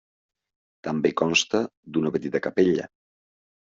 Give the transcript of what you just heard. També consta d'una petita capella.